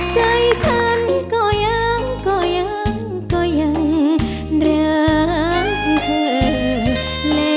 ใจฉันก็ยังก็ยังรัมเธอ